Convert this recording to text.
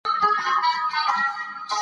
دوی خپله سيمه له نورو لوړه ګڼي.